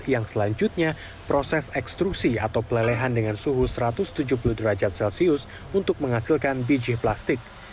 yang selanjutnya proses ekstrusi atau pelelehan dengan suhu satu ratus tujuh puluh derajat celcius untuk menghasilkan biji plastik